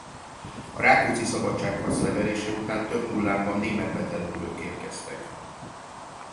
A Rákóczi-szabadságharc leverése után több hullámban német betelepülők érkeztek.